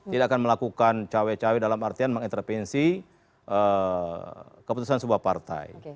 tidak akan melakukan cawe cawe dalam artian mengintervensi keputusan sebuah partai